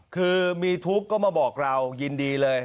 คือมีทุกข์ก็มาบอกเรายินดีเลย